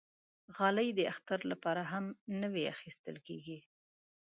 غالۍ د اختر لپاره هم نوی اخېستل کېږي.